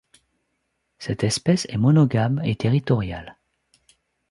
Cette espèce est monogame et territoriale.